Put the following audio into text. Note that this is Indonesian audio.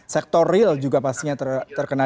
sektor real juga pastinya terkena